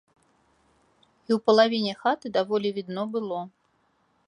І ў палавіне хаты даволі відно было.